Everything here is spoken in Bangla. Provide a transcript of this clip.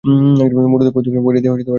রঘুপতি কহিলেন, ফরিয়াদী রাজধানীতে হাজির আছেন।